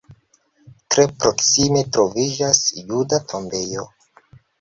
Tre proksime troviĝas juda tombejo.